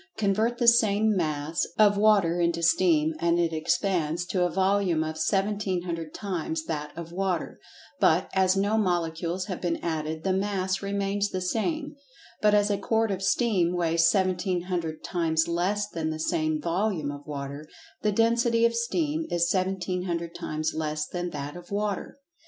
Convert the same "mass" of Water into Steam, and it expands to a "volume" of 1700 times that of Water—but, as no molecules have been added, the "mass" remains the same—but as a quart of Steam weighs 1700 times less than the same "volume" of Water, the "density" of Steam is 1700 times less than that of Water.